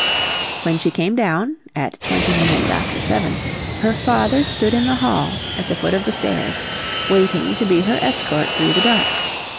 When she came down, at twenty minutes after seven, her father stood in the hall, at the foot of the stairs, waiting to be her escort through the dark.